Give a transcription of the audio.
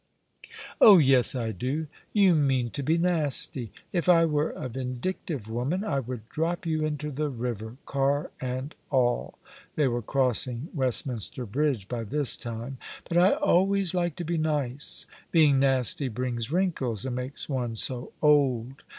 "Oh yes, I do. You mean to be nasty. If I were a vindictive woman I would drop you into the river, car and all" they were crossing Westminster Bridge by this time "but I always like to be nice. Being nasty brings wrinkles, and makes one so old.